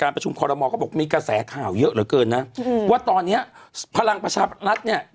มารวมกันซึ่งเขาบอกเป็นการรวมเฉพาะกิจวันนึงมันต้องแตกอยู่แล้ว